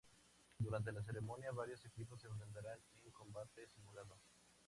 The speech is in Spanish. Durante la ceremonia, varios equipos se enfrentan en combate simulado.